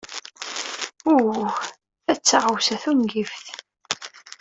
Uh, ta d taɣawsa tungift.